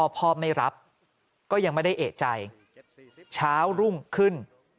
พ่อไม่รับก็ยังไม่ได้เอกใจเช้ารุ่งขึ้น